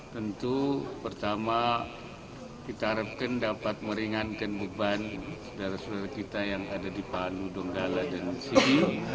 tentu pertama kita harapkan dapat meringankan beban saudara saudara kita yang ada di palu donggala dan sidi